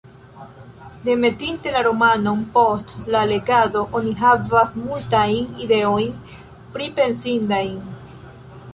Demetinte la romanon, post la legado, oni havas multajn ideojn pripensindajn.